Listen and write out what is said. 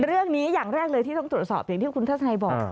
อย่างแรกเลยที่ต้องตรวจสอบอย่างที่คุณทัศนัยบอก